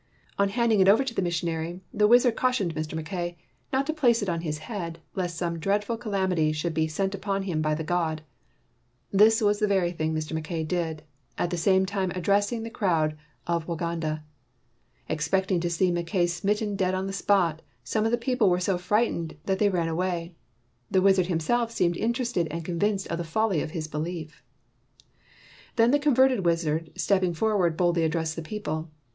On handing it over to the missionary the wiz ard cautioned Mr. Mackay not to place it on his head lest some dreadful calamity should be sent upon him by the god. This was the very thing Mr. Mackay did, at the same time addressing the crowd of Wa ganda. Expecting to see Mackay smitten dead on the spot, some of the people were so frightened that they ran away. The wizard himself seemed interested and convinced of the folly of his belief. Then the converted wizard stepping for ward boldly addressed the people.